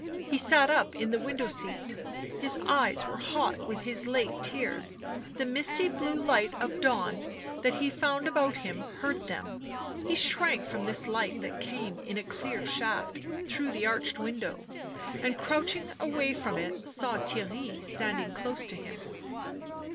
He sat up in the window seat. His eyes were hot with his late tears ; the misty blue light of dawn that he found about him hurt them ; he shrank from this light that came in a clear shaft through the arched window, and, crouching away from it, saw Theirry standing close to him.